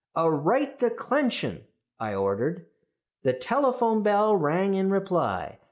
"'A right declension,' I ordered. "The telephone bell rang in reply.